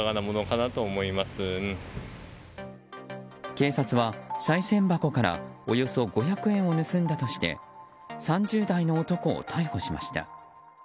警察は、さい銭箱からおよそ５００円を盗んだとして３０代の男を逮捕しました。